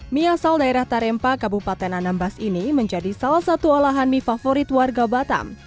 mie asal daerah tarempa kabupaten anambas ini menjadi salah satu olahan mie favorit warga batam